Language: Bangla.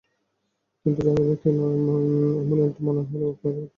কিন্তু জানি না কেন এমনটা মনে হলো আপনাকে তো বলতেই হবে।